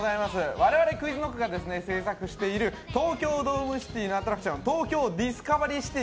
我々ＱｕｉｚＫｎｏｃｋが制作している東京ドームシティのアトラクショントーキョーディスカバリーシティ